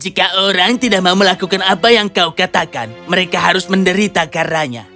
jika orang tidak mau melakukan apa yang kau katakan mereka harus menderita karenanya